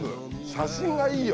写真がいいよ。